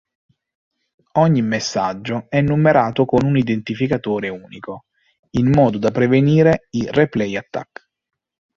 Ogni messaggio è numerato con un identificatore unico, in modo da prevenire i replay-attack.